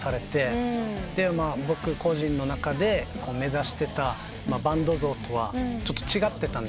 僕個人の中で目指してたバンド像とはちょっと違ってた。